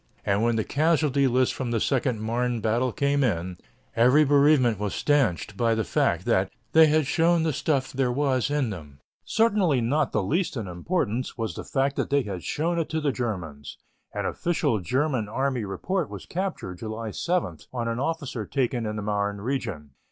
And when the casualty lists from the second Marne battle came in, every bereavement was stanched by the fact that "they had shown the stuff there was in them." Certainly not least in importance was the fact that they had shown it to the Germans. An official German Army report was captured, July 7, on an officer taken in the Marne region.